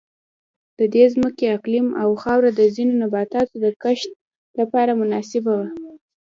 د دې ځمکې اقلیم او خاوره د ځینو نباتاتو د کښت لپاره مناسبه وه.